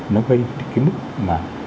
nó gây cái mức mà